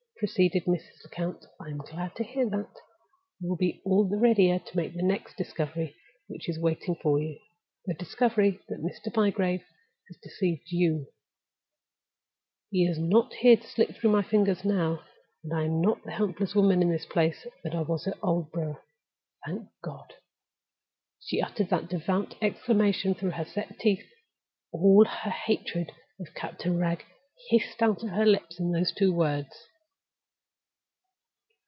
_" proceeded Mrs. Lecount. "I am glad to hear that. You will be all the readier to make the next discovery which is waiting for you—the discovery that Mr. Bygrave has deceived you. He is not here to slip through my fingers now, and I am not the helpless woman in this place that I was at Aldborough. Thank God!" She uttered that devout exclamation through her set teeth. All her hatred of Captain Wragge hissed out of her lips in those two words.